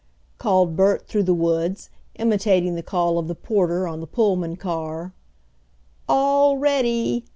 called Bert through the woods, imitating the call of the porter on the Pullman car. "All ready!"